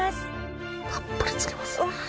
たっぷりつけます。